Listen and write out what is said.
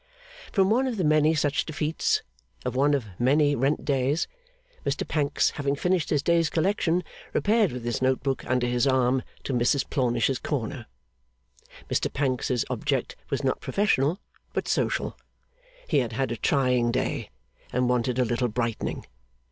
From one of the many such defeats of one of many rent days, Mr Pancks, having finished his day's collection, repaired with his note book under his arm to Mrs Plornish's corner. Mr Pancks's object was not professional, but social. He had had a trying day, and wanted a little brightening.